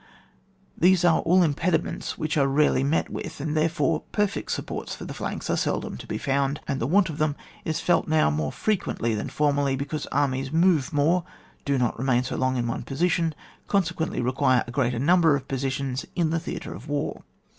These are all impediments which are rarely met with, and therefore perfect supports for the flanks are seldom to be found, and the want of them is felt now more frequently than formerly, be cause armies move more, do not remain so long in one position, consequently re quire a greater number of positions in the theatre of war.